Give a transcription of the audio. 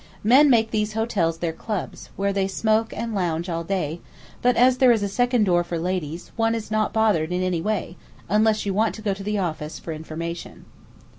Men make these hotels their club, where they smoke and lounge all day; but as there is a second door for ladies, one is not bothered in any way unless you want to go to the office for information.